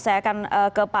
saya akan mencoba